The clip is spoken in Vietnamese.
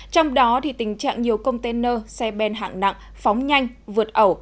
trong đó tình trạng nhiều container xe ben hạng nặng phóng nhanh vượt ẩu